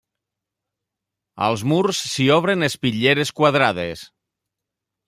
Als murs s'hi obren espitlleres quadrades.